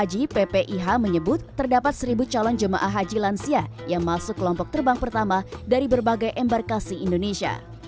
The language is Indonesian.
haji ppih menyebut terdapat seribu calon jemaah haji lansia yang masuk kelompok terbang pertama dari berbagai embarkasi indonesia